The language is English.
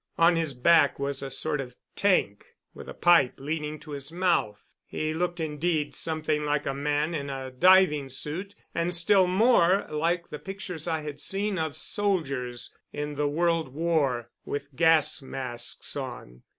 On his back was a sort of tank with a pipe leading to his mouth. He looked, indeed, something like a man in a diving suit, and still more like the pictures I had seen of soldiers in the World War with gas masks on.